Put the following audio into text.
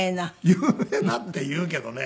「有名な」って言うけどね。